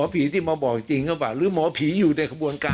ผีที่มาบอกจริงหรือเปล่าหรือหมอผีอยู่ในขบวนการ